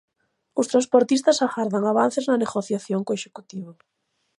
Os transportistas agardan avances na negociación co Executivo.